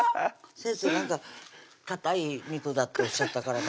先生なんかかたい肉だっておっしゃったからね